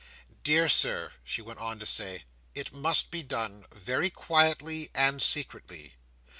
"Dear Sir," she went on to say, "it must be done very quietly and secretly.